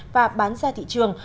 và bán ra thị trường